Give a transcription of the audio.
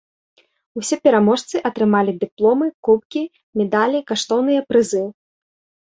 Усе пераможцы атрымалі дыпломы, кубкі, медалі, каштоўныя прызы.